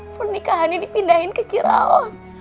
pernikahannya dipindahin ke ciraos